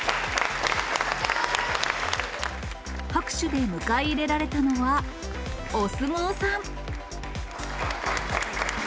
拍手で迎え入れられたのは、お相撲さん。